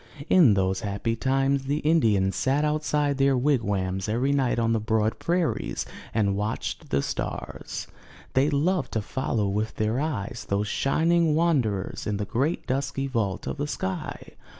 In those happy times, the Indians sat outside their wigwams every night on the broad prairies and watched the stars. They loved to follow with their eyes those shining wanderers in the great dusky vault of the sky.